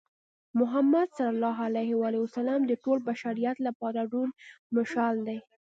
محمد ص د ټول بشریت لپاره روڼ مشال دی.